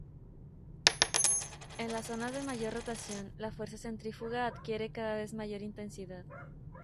En las zonas de mayor rotación la fuerza centrífuga adquiere cada vez mayor intensidad.